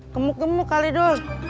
gemuk gemuk kali dul